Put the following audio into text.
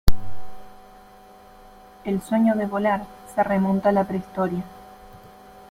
El sueño de volar se remonta a la prehistoria.